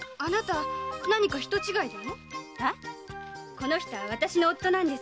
この人は私の夫なんです。